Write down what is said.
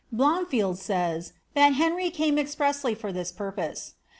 Biomefield nys,* that Henry came expressly for this purpose.